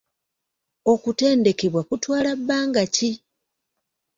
Okutendekebwa kutwala bbanga ki?